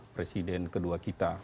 presiden kedua kita